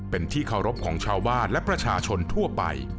เป็นที่เคารพของชาวบ้านและประชาชนทั่วไป